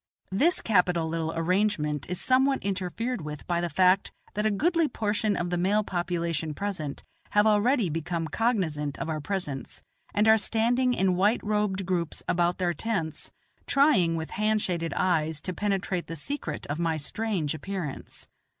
This capital little arrangement is somewhat interfered with by the fact that a goodly proportion of the male population present have already become cognizant of our presence, and are standing in white robed groups about their tents trying with hand shaded eyes to penetrate the secret of my strange appearance.